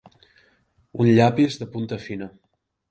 Un llapis de punta fina.